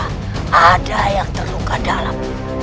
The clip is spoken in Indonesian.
tidak ada yang terluka dalam